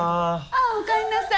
あお帰りなさい。